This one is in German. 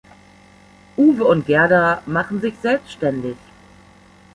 Uwe und Gerda machen sich selbstständig.